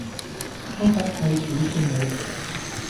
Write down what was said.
我佛系儲算了